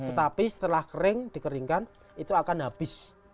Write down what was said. tetapi setelah kering dikeringkan itu akan habis